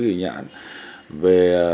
về nhãn về